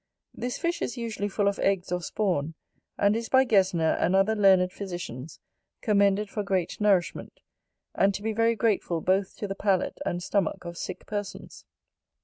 This fish is usually full of eggs or spawn; and is by Gesner, and other learned physicians, commended for great nourishment, and to be very grateful both to the palate and stomach of sick persons.